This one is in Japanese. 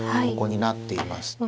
ここに成っています。